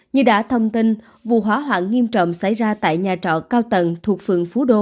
như đã thông tin vụ hỏa hoạn nghiêm trọng xảy ra tại nhà trọ cao tầng thuộc phường phú đô